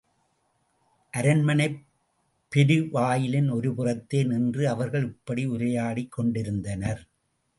அரண்மனைப் பெருவாயிலின் ஒருபுறத்தே நின்று அவர்கள் இப்படி உரையாடிக் கொண்டிருந்தனர்.